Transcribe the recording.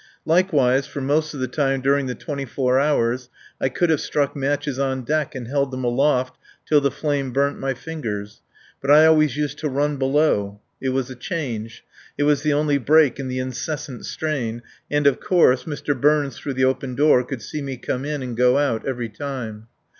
Likewise, for most of the time during the twenty four hours I could have struck matches on deck and held them aloft till the flame burnt my fingers. But I always used to run below. It was a change. It was the only break in the incessant strain; and, of course, Mr. Burns through the open door could see me come in and go out every time.